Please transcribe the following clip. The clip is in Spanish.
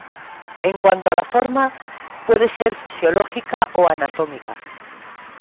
En cuanto a la forma puede ser fisiológica o anatómica.